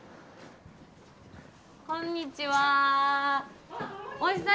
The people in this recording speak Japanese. こんにちは。